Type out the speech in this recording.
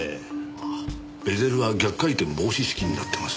ああベゼルは逆回転防止式になってます。